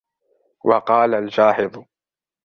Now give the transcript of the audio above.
وَقَالَ الْجَاحِظُ